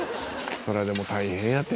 「そらでも大変やって」